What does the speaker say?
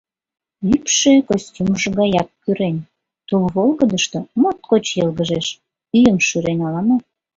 Ӱпшӧ костюмжо гаяк кӱрен, тул волгыдышто моткоч йылгыжеш: ӱйым шӱрен ала-мо.